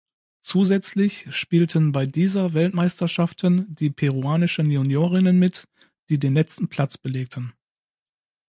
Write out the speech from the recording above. Zusätzlich spielten bei dieser Weltmeisterschaften die peruanischen Juniorinnen mit, die den letzten Platz belegten.